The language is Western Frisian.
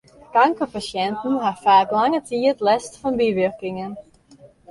Kankerpasjinten ha faak lange tiid lêst fan bywurkingen.